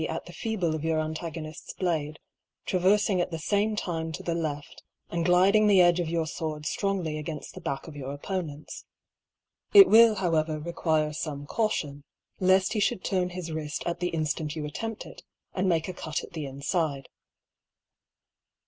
at the feeble of your antago* nift's blade, traveriing at the fame time to the left and gliding the edge of your fword ftrongly againfi the back of your oppcment's. It will however re quire fome caution, left he ihould turn his wrift bX the inftant you attempt it, and make a cut at the mfide.